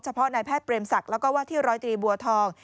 เฉพาะนายแพทย์เบรมศักดิ์และว่าที่๑๐๓บัวทอง